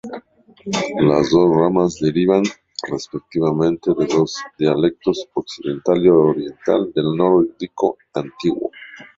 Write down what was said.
Las dos ramas derivan, respectivamente, de los dialectos occidental y oriental del Nórdico antiguo.